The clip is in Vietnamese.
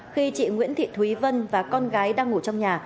khi chị nguyễn thị thúy vân và con gái đang ngủ trong nhà